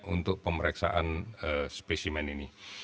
untuk pemeriksaan spesimen ini